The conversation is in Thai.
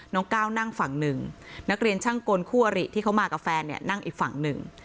ก้าวนั่งฝั่งหนึ่งนักเรียนช่างกลคู่อริที่เขามากับแฟนเนี่ยนั่งอีกฝั่งหนึ่ง